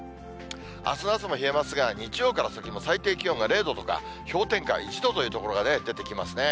あす朝も冷えますが、日曜から先も、最低気温が０度とか、氷点下１度という所が出てきますね。